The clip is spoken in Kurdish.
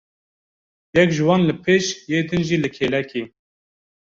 Yek ji wan li pêş û yê din jî li kêlekê.